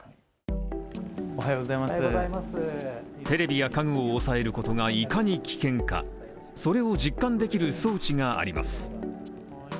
テレビや家具を押さえることがいかに危険かそれを実感できる装置があります。